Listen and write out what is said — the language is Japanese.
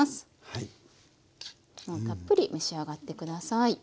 もうたっぷり召し上がって下さい。